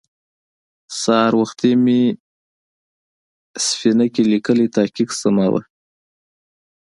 سهار وختې مې په سفينه کې ليکلی تحقيق سماوه.